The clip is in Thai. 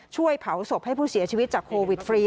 ช่วยเผาศพให้ผู้เสียชีวิตจากโควิดฟรี